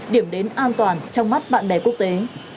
điểm đến an toàn trong mắt bạn bè quốc tế